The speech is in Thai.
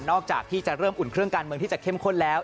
จากที่จะเริ่มอุ่นเครื่องการเมืองที่จะเข้มข้นแล้ว